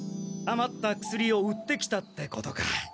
あまった薬を売ってきたってことか。